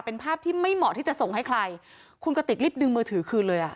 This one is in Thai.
เป็นภาพที่ไม่เหมาะที่จะส่งให้ใครคุณกติกรีบดึงมือถือคืนเลยอ่ะ